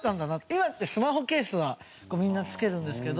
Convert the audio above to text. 今ってスマホケースはみんな付けるんですけど。